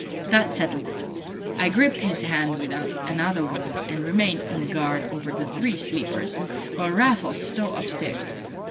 That settled it. I gripped his hand without another word, and remained on guard over the three sleepers while Raffles stole upstairs.